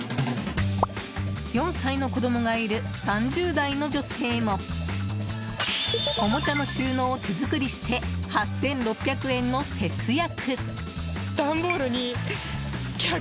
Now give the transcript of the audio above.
４歳の子供がいる３０代の女性もおもちゃの収納を手作りして８６００円の節約。